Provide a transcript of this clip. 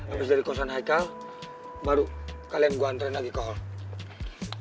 abis dari kosan haikal baru kalian gue antren lagi ke hall